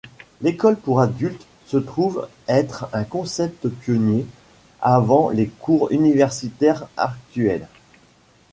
L'école pour adultes se trouve être un concept pionnier avant les cours universitaires actuels.